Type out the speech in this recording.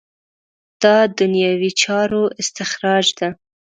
دا دنیوي چارو استخراج ده.